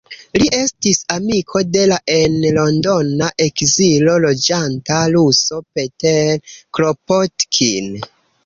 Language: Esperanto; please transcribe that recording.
Li estis amiko de la en Londona ekzilo loĝanta ruso Peter Kropotkin.